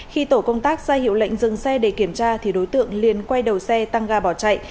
khi tổ công tác ra hiệu lệnh dừng xe để kiểm tra thì đối tượng liền quay đầu xe tăng ga bỏ chạy